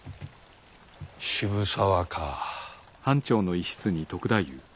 渋沢か。